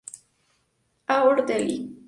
A. Ortelli.